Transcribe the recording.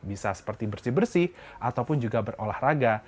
bisa seperti bersih bersih ataupun juga berolahraga